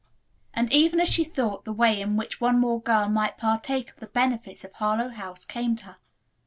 And even as she thought the way in which one more girl might partake of the benefits of Harlowe House came to her.